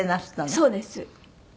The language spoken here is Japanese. そうです。